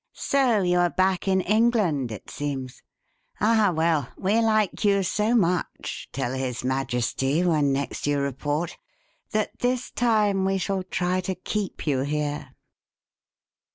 "So you are back in England, it seems? Ah, well, we like you so much tell his Majesty when next you report that this time we shall try to keep you here."